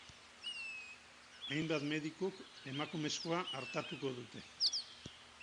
Hainbat medikuk emakumezkoa artatuko dute.